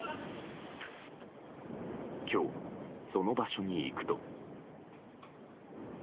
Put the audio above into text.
今日、その場所に行くと。